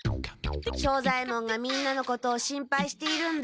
庄左ヱ門がみんなのことを心配しているんだ。